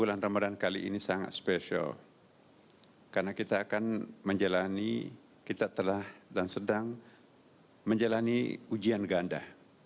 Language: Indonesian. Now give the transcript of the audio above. dan menjalani kita telah dan sedang menjalani ujian ganda